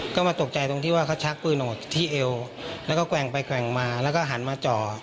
ก็มาตกใจตรงที่ว่าเขาชักปืนออกที่เอวแล้วก็แกว่งไปแกว่งมาแล้วก็หันมาจ่อ